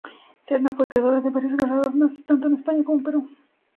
Cerna fue acreedora de varios galardones tanto en España como en Perú.